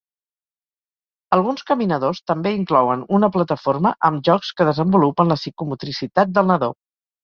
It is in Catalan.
Alguns caminadors també inclouen una plataforma amb jocs que desenvolupen la psicomotricitat del nadó.